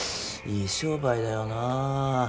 いい商売だよなあ。